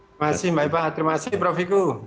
terima kasih mbak ipah terima kasih prof wiku